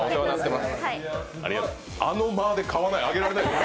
あの間で「買わない」は上げられない。